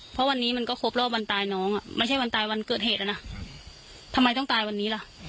เพราะวันนี้มันก็ครบรอบวันตายน้องอ่ะไม่ใช่วันตายวันเกิดเหตุแล้วนะทำไมต้องตายวันนี้ล่ะ